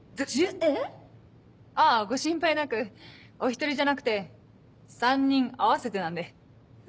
えっ⁉あご心配なくお一人じゃなくて３人合わせてなんで。